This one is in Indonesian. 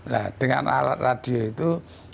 nah dengan alat radio itu